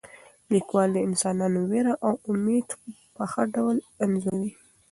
لیکوال د انسانانو ویره او امید په ښه ډول انځوروي.